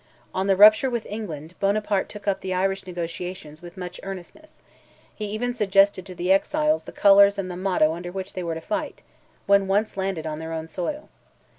On the rupture with England Buonaparte took up the Irish negotiation with much earnestness; he even suggested to the exiles the colours and the motto under which they were to fight, when once landed on their own soil.